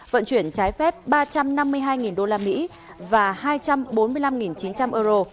vận chuyển trái phép ba trăm năm mươi hai usd và hai trăm bốn mươi năm chín trăm linh euro